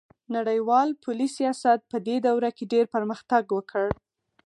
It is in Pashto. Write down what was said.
نړیوال پولي سیاست پدې دوره کې ډیر پرمختګ وکړ